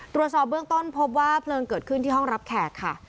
ตรวจสอบเบื้องต้นพบว่าเพลิงเกิดขึ้นที่ห้องรับแขกค่ะ